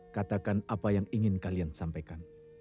katakan apa yang ingin kalian sampaikan